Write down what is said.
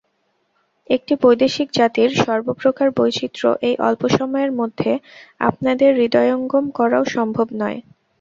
একটি বৈদেশিক জাতির সর্বপ্রকার বৈচিত্র্য এই অল্প সময়ের মধ্যে আপনাদের হৃদয়ঙ্গম করাও সম্ভব নয়।